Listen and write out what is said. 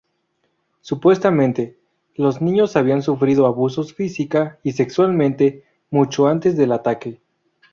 Supuestamente, los niños habían sufrido abusos física y sexualmente mucho antes del ataque.